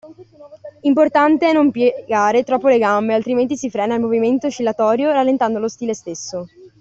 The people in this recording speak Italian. Importante è non piegare troppo le gambe, altrimenti si frena il movimento oscillatorio rallentando lo stile stesso.